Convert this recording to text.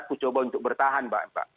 kucoba untuk bertahan pak